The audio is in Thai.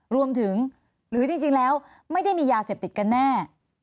หรือจริงแล้วไม่ได้มียาเสพติดกันแน่